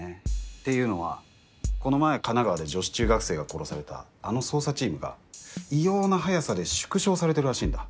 っていうのはこの前神奈川で女子中学生が殺されたあの捜査チームが異様な早さで縮小されてるらしいんだ。